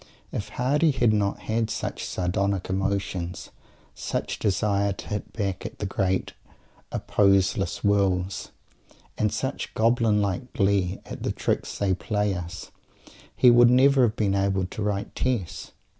If Mr. Hardy had not had such sardonic emotions, such desire to "hit back" at the great "opposeless wills," and such Goblin like glee at the tricks they play us, he would never have been able to write "Tess."